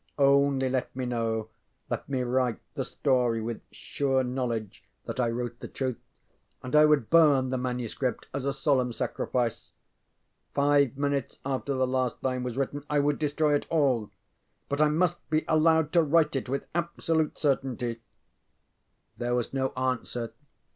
Only let me know, let me write, the story with sure knowledge that I wrote the truth, and I would burn the manuscript as a solemn sacrifice. Five minutes after the last line was written I would destroy it all. But I must be allowed to write it with absolute certainty. There was no answer.